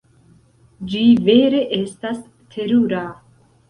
Ĝi vere estas terura.